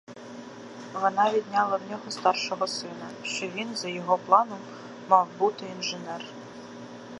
Вона відняла в нього старшого сина, що він, за його планом, мав бути інженер.